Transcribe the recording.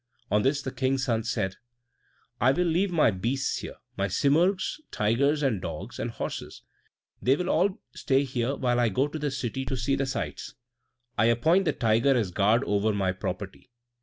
On this the King's son said, "I will leave my beasts here, my simurgs, tigers, and dogs, and horses; they will all stay here while I go to the city to see the sights. I appoint the tiger as guard over my property.